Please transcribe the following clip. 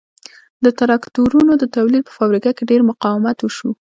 د ترکتورونو د تولید په فابریکه کې ډېر مقاومت وشو